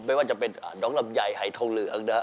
ไม่ว่าจะเป็นน้องลำใหญ่ไฮทงเหลืองนะครับ